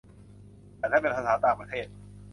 แต่ถ้าเป็นภาษาต่างประเทศ